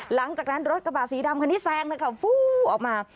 หลังจากนั้นรถกระบะสีดำคันนี้แซงนะครับออกมา